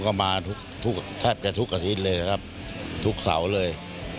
ก็มาทุกแทบจะทุกอาทิตย์เลยนะครับทุกเสาร์เลย